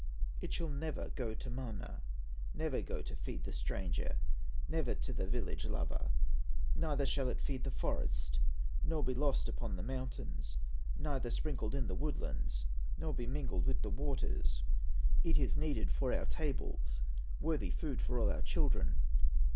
It shall never go to Mana, Never go to feed the stranger, Never to the village lover; Neither shall it feed the forest, Nor be lost upon the mountains, Neither sprinkled in the woodlands, Nor be mingled with the waters; It is needed for our tables, Worthy food for all our children.